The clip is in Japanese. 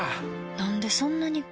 なんでそんなに